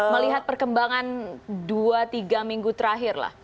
melihat perkembangan dua tiga minggu terakhir lah